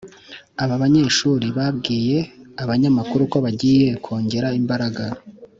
aba banyeshuri babwiye abanyamakuru ko bagiye kongeera imbaraga